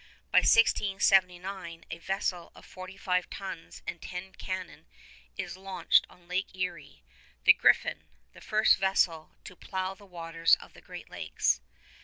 By 1679 a vessel of forty five tons and ten cannon is launched on Lake Erie, the Griffon, the first vessel to plow the waters of the Great Lakes.